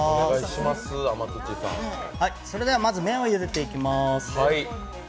それではまず、麺をゆでていきます。